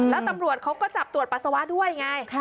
แล้วตำรวจเขาก็จับตรวจปัสสาวะด้วยไง